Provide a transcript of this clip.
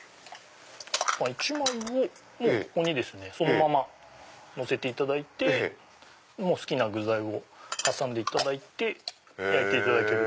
１枚をここにですねそのままのせていただいて好きな具材を挟んでいただいて焼いていただける。